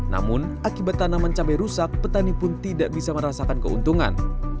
namun akibat tanaman cabai rusak petani pun tidak bisa merasakan keuntungan